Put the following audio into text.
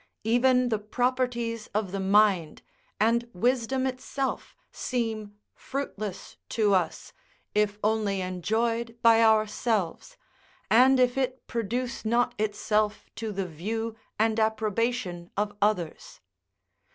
Even the properties of the mind, and wisdom itself, seem fruitless to us, if only enjoyed by ourselves, and if it produce not itself to the view and approbation of others.